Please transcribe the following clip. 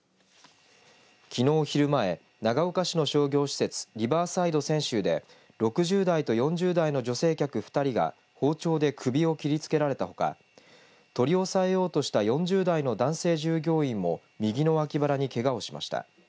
きのう昼前長岡市の商業施設リバーサイド千秋で６０代と４０代の女性客２人が包丁で首を切りつけられたほか取り押さえようとした４０代の男性従業員も右の脇腹に、けがをしました。